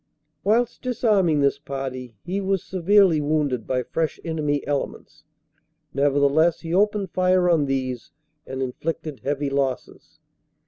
Whilst disarming this party he was severely wounded by fresh enemy elements. Nevertheless he opened fire on these and inflicted heavy losses.